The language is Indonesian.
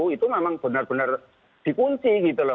itu memang benar benar dikunci gitu loh